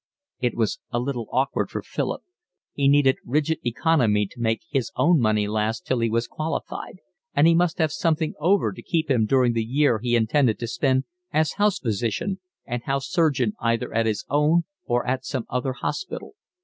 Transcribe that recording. It was a little awkward for Philip. He needed rigid economy to make his own money last till he was qualified, and he must have something over to keep him during the year he intended to spend as house physician and house surgeon either at his own or at some other hospital.